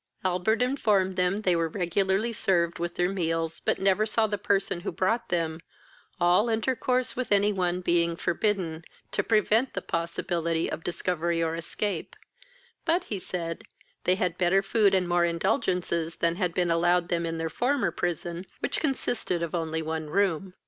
Albert informed them they were regularly served with their meals, but never saw the person who brought them, all intercourse with any one being forbidden, to prevent the possibility of discovery or escape; but, he said, they had better food and more indulgences than had been allowed them in their former prison, which consisted only of one room.